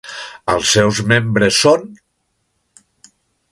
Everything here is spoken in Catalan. Els seus membres són: